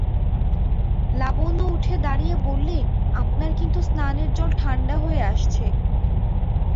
লাবণ্য উঠে দাঁড়িয়ে বললে, আপনার কিন্তু স্নানের জল ঠাণ্ডা হয়ে আসছে।